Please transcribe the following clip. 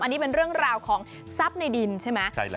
อันนี้เป็นเรื่องราวของทรัพย์ในดินใช่ไหม